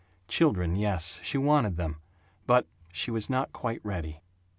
Children, yes, she wanted them, but She was not quite ready.